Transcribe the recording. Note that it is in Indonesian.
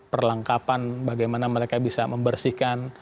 perlengkapan bagaimana mereka bisa membersihkan